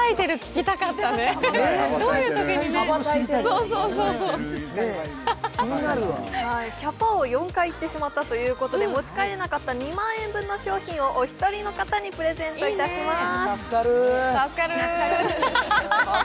「きゃぱ」を４回言ってしまったということで持ち帰れなかった２万円分の商品をお一人の方にプレゼントいたします。